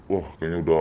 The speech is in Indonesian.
wah kayaknya sudah